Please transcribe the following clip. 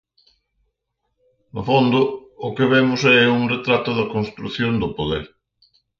No fondo, o que vemos é un retrato da construción do poder.